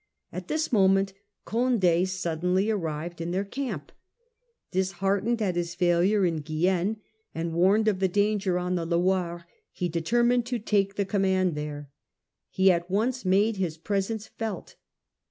At this moment Cond£ suddenly arrived in their camp. Disheartened at his failure in Guienne, and warned of the danger on the Loire, he determined to Battle of take the command there. He at once made April* 1 *' his presence felt.